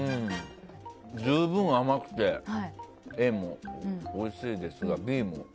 十分、甘くてＡもおいしいですが、Ｂも。